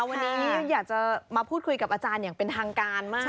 วันนี้อยากจะมาพูดคุยกับอาจารย์อย่างเป็นทางการมาก